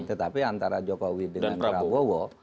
tetapi antara jokowi dengan prabowo